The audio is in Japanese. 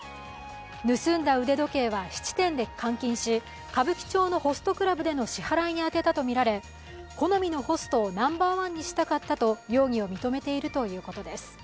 盗んだ腕時計は質店で換金し歌舞伎町のホストクラブでの支払いに充てたとみられ好みのホストをナンバーワンにしたかったと容疑を認めているということです。